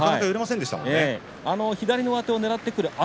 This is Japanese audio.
左の上手をねらってくるあ